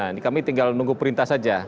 ini kami tinggal nunggu perintah saja